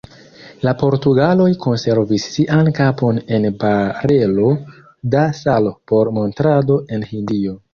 La portugaloj konservis sian kapon en barelo da salo por montrado en Hindio.